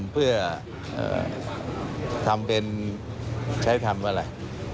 เพื่อทำเป็นใช้ธรรมอะไร